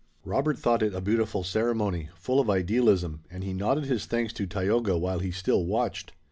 Robert thought it a beautiful ceremony, full of idealism, and he nodded his thanks to Tayoga while he still watched.